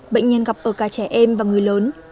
bệnh nhân gặp ở cả trẻ em và người lớn